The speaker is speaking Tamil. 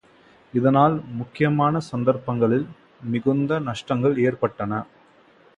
இதனால் முக்கியமான சந்தர்ப்பங்களில் மிகுந்த நஷ்டங்கள் ஏற்பட்டன.